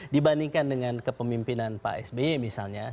dibandingkan dengan kepemimpinan pak sby misalnya